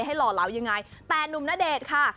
ให้หล่อเล้วยังไงแต่นมณเดชน์ค่ะ